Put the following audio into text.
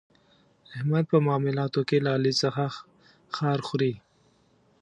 احمد په معاملاتو کې له علي څخه خار خوري.